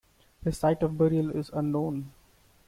His site of burial is unknown.